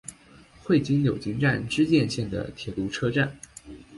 会津柳津站只见线的铁路车站。